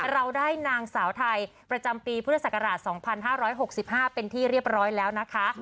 เราได้นางสาวไทยประจำปีพุทธศักราช๒๕๖๕เป็นที่เรียบร้อยแล้วนะคะ